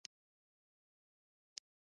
که زخم در ورسیږي لکه چنګ په چیغو مه شه.